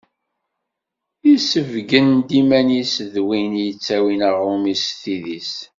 Yessebgen-d iman-is d win d-yettawin aɣrum-is s tidi-s.